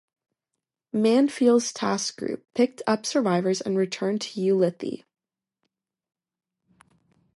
"Mansfield's" task group picked up survivors and returned to Ulithi.